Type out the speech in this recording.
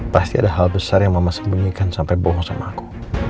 pasti ada hal besar yang mama sembunyikan sampai bohong sama aku